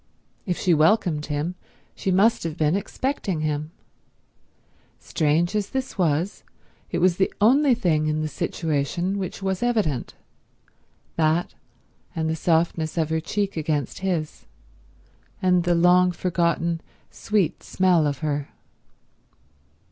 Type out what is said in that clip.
If she welcomed him she must have been expecting him. Strange as this was, it was the only thing in the situation which was evident—that, and the softness of her cheek against his, and the long forgotten sweet smell of her.